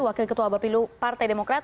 wakil ketua bapilu partai demokrat